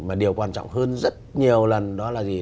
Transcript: mà điều quan trọng hơn rất nhiều lần đó là gì